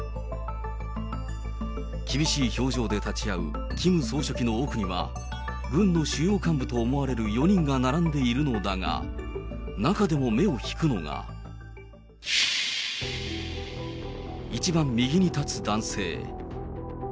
厳しい表情で立ち会うキム総書記の奥には、軍の主要幹部と思われる４人が並んでいるのだが、中でも目を引くのが、一番右に立つ男性。